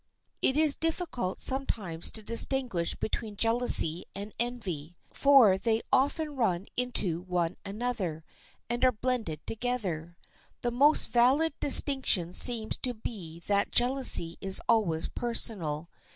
It is difficult sometimes to distinguish between jealousy and envy, for they often run into one another, and are blended together. The most valid distinction seems to be that jealousy is always personal.